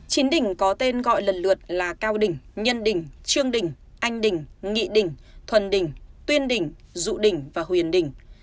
chính đỉnh có tên gọi lần lượt là cao đỉnh nhân đỉnh trương đỉnh anh đỉnh nghị đỉnh thuần đỉnh tuyên đỉnh dụ đỉnh và huyền đỉnh